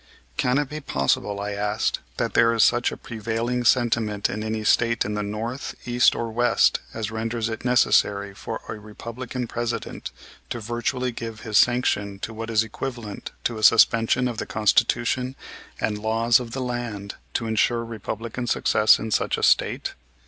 "Can it be possible," I asked, "that there is such a prevailing sentiment in any State in the North, East or West as renders it necessary for a Republican President to virtually give his sanction to what is equivalent to a suspension of the Constitution and laws of the land to insure Republican success in such a State?